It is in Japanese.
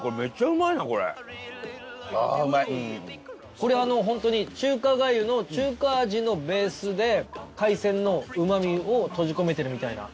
これ本当に中華がゆの中華味のベースで海鮮のうまみを閉じ込めてるみたいな。